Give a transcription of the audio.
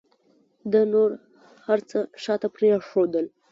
ده نور هر څه شاته پرېښودل.